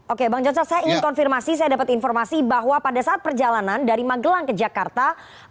oke bang john saya ingin konfirmasi saya dapat informasi bahwa pada saat perjalanan dari magelang ke jakarta